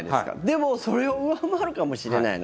でも、それを上回るかもしれないの？